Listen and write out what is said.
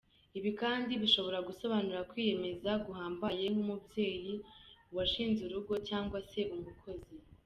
Ibi kandi bishobora gusobanura kwiyemeza guhambaye nk’umubyeyi, uwashinze urugo cyangwa se umukozi.